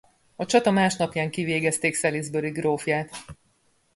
A csata másnapján kivégezték Salisbury grófját.